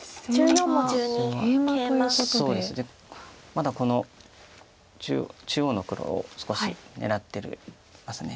まだこの中央の黒を少し狙ってます。